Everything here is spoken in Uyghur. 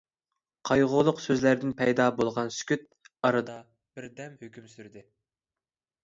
قايغۇلۇق سۆزلەردىن پەيدا بولغان سۈكۈت ئارىدا بىردەم ھۆكۈم سۈردى.